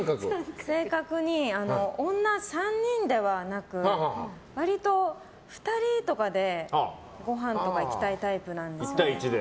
正確に女３人ではなく割と２人とかでごはんとか行きたいタイプなんですよ。